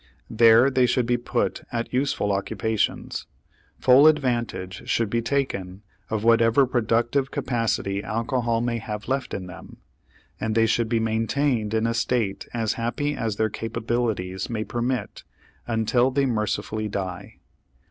There they should be put at useful occupations; full advantage should be taken of whatever productive capacity alcohol may have left in them; and they should be maintained in a state as happy as their capabilities may permit until they mercifully die.